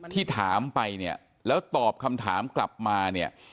ที่ถามไปเนี่ยแล้วตอบคำถามกลับมาเนี่ย